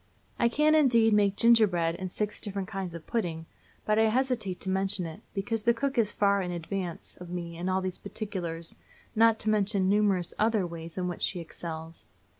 I can, indeed, make gingerbread and six different kinds of pudding, but I hesitate to mention it, because the cook is far in advance of me in all these particulars, not to mention numerous other ways in which she excels.